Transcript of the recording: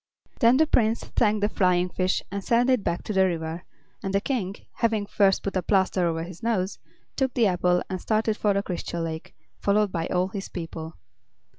Then the Prince thanked the flying fish and sent it back to the river, and the King, having first put a plaster over his nose, took the apple and started for the Crystal Lake, followed by all his people.